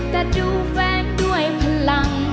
แต่ดูแฟนด้วยพลัง